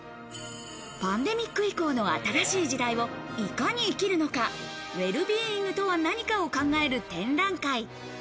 パンデミック以降の新しい時代をいかに生きるのか、ウェルビーイングとは何かを考える展覧会。